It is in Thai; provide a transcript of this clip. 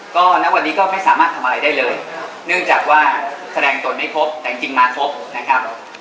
ก็ณวันนี้ก็ไม่สามารถทำอะไรได้เลยเนื่องจากว่าแสดงตนไม่พบแต่จริงมาครบนะครับ